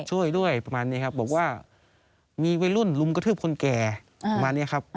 ช่วยด้วยประมาณนี้ครับบอกว่ามีวัยรุ่นรุมกระทืบคนแก่ประมาณนี้ครับ